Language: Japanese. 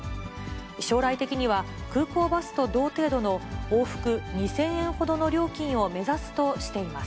将来的には空港バスと同程度の往復２０００円ほどの料金を目指すとしています。